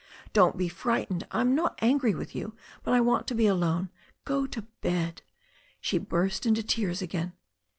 Don't be frightened. I am not angry with you. But I want to be alone. Go to bed." She burst into tears again.